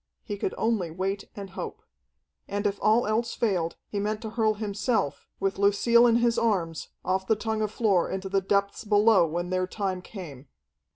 He could only wait and hope. And if all else failed, he meant to hurl himself, with Lucille in his arms, off the tongue of floor into the depths below when their time came.